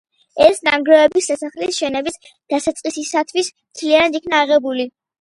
ეს ნანგრევები სასახლის შენების დასაწყისისათვის მთლიანად იქნა აღებული.